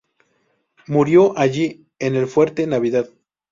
Murió allí, en el Fuerte Navidad.